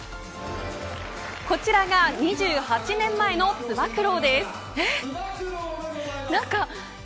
こちらが２８年前のつば九郎です。え。